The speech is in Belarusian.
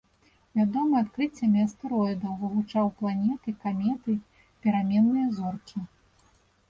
Вядомы адкрыццямі астэроідаў, вывучаў планеты, каметы, пераменныя зоркі.